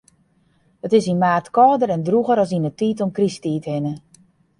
It is yn maart kâlder en drûger as yn 'e tiid om Krysttiid hinne.